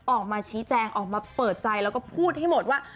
ออกมาชี้แจงออกมาเปิดใจแล้วก็พูดให้หมดว่า